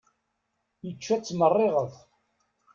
Ičča-tt meṛṛiɣet.